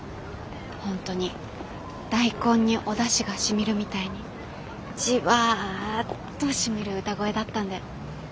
本当に大根におだしがしみるみたいにじわっとしみる歌声だったんで。